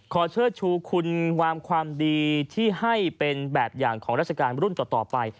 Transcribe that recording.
เชิดชูคุณงามความดีที่ให้เป็นแบบอย่างของราชการรุ่นต่อไป